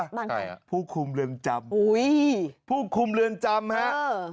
บ้านใครอ่ะผู้คุมเรือนจำอุ้ยผู้คุมเรือนจำฮะเออ